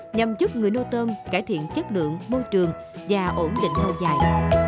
nhằm giúp người nuôi tôm cải thiện chất lượng môi trường và ổn định lâu dài